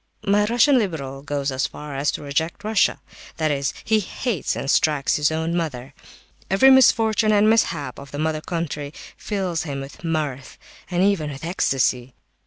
My Russian liberal goes so far as to reject Russia; that is, he hates and strikes his own mother. Every misfortune and mishap of the mother country fills him with mirth, and even with ecstasy.